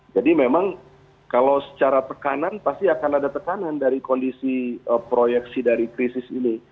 jadi memang kalau secara tekanan pasti akan ada tekanan dari kondisi proyeksi dari krisis ini